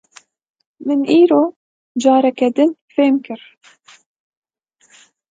Min îro careke din fêm kir.